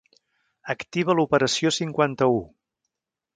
Activa l'operació cinquanta-u.